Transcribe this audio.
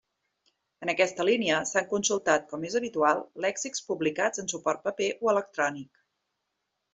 En aquesta línia, s'han consultat, com és habitual, lèxics publicats en suport paper o electrònic.